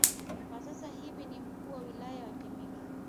kwa sasa hivi ni mkuu wa wilaya ya Temeke